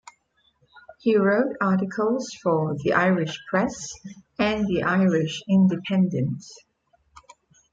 He wrote articles for "The Irish Press" and the "Irish Independent".